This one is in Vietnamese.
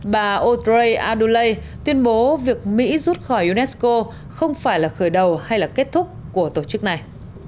bà otrey adulley tuyên bố việc mỹ rút khỏi unesco không phải là khởi đầu hay là kết thúc của tổ chức này